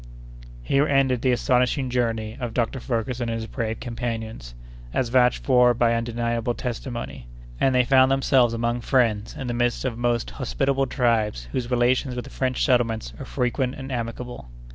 Here ended the astonishing journey of Dr. Ferguson and his brave companions, as vouched for by undeniable testimony; and they found themselves among friends in the midst of most hospitable tribes, whose relations with the French settlements are frequent and amicable.